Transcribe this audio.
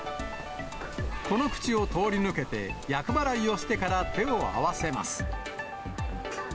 この口を通り抜けて、厄払いをしてから手を合わせます。